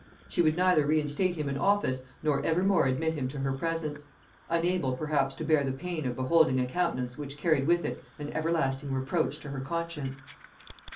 She would neither reinstate him in office nor ever more admit him to her presence; unable perhaps to bear the pain of beholding a countenance which carried with it an everlasting reproach to her conscience.